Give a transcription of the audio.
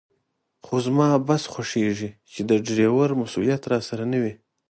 خو زما بس خوښېږي چې د ډریور مسوولیت راسره نه وي.